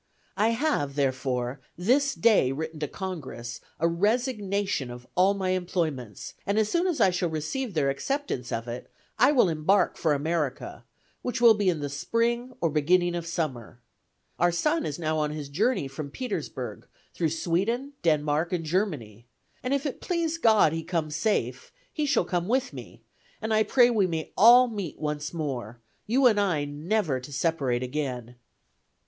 I have, therefore, this day written to Congress a resignation of all my employments, and as soon as I shall receive their acceptance of it, I will embark for America, which will be in the spring or beginning of summer. Our son is now on his journey from Petersburg, through Sweden, Denmark, and Germany, and if it please God he come safe, he shall come with me, and I pray we may all meet once more, you and I never to separate again."